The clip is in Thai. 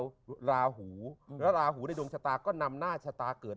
เดินดาวราหูและราหูในดวงชะตาก็นำหน้าชะตาเกิด